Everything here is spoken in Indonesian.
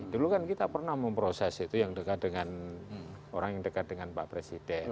dulu kan kita pernah memproses itu yang dekat dengan orang yang dekat dengan pak presiden